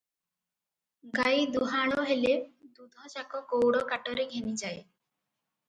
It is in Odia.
ଗାଈ ଦୁହାଁଳ ହେଲେ ଦୁଧଯାକ ଗଉଡ କାଟରେ ଘେନିଯାଏ ।